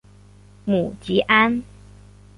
母吉安。